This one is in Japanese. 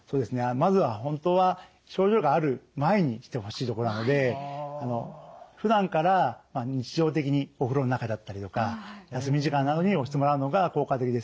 まずは本当は症状がある前にしてほしいところなのでふだんから日常的にお風呂の中だったりとか休み時間などに押してもらうのが効果的です。